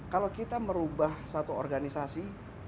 kalau kita merubah satu organisasi